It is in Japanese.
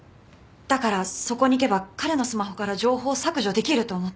だからそこに行けば彼のスマホから情報を削除できると思った。